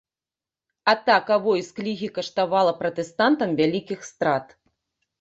Атака войск лігі каштавала пратэстантам вялікіх страт.